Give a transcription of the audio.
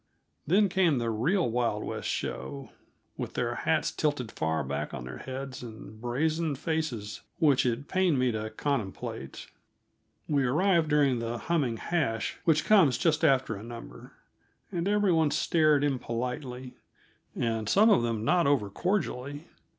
Then came the real Wild West show, with their hats tilted far back on their heads and brazen faces which it pained me to contemplate. We arrived during that humming hash which comes just after a number, and every one stared impolitely, and some of them not overcordially.